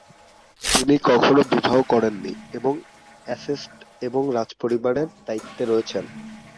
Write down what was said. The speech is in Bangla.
তিনি কখনও বিবাহ করেন নি এবং এস্টেট এবং রাজপরিবারের দায়িত্বে রয়েছেন।